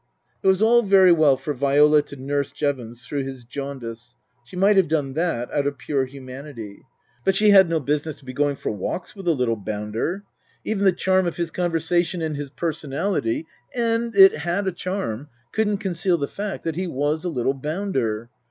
It was all very well for Viola to nurse Jevons through his jaundice, she might have done that out of pure humanity ; but she had no business to be going for walks with the little bounder. Even the charm of his conversa tion and his personality (and it had a charm) couldn't conceal the fact that he was a little bounder.